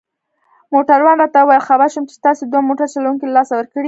موټروان راته وویل: خبر شوم چي تاسي دوه موټر چلوونکي له لاسه ورکړي.